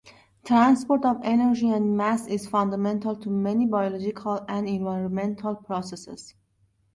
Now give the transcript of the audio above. Transport of energy and mass is fundamental to many biological and environmental processes.